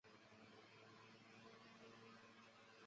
教父早期宗教作家及宣教师的统称。